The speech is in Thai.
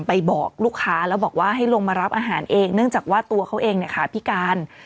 บอกลูกค้าแล้วบอกว่าให้ลงมารับอาหารเองเนื่องจากว่าตัวเขาเองเนี่ยขาพิการ